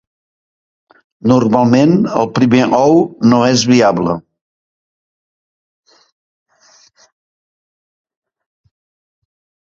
Normalment el primer ou no és viable.